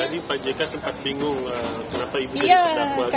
tadi pak jk sempat bingung kenapa ibu jadi terdakwa